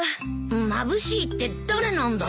まぶしいって誰なんだ？